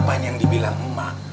apa yang dibilang emak